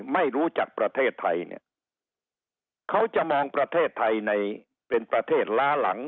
ไม่รู้จักประเทศไทยเนี่ยเขาจะมองประเทศไทยในเป็นประเทศล้าหลัง